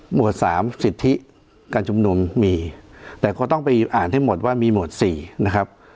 วดสามสิทธิการชุมนุมมีแต่ก็ต้องไปอ่านให้หมดว่ามีหมวดสี่นะครับ